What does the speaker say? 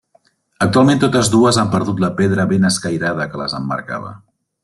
Actualment totes dues han perdut la pedra ben escairada que les emmarcava.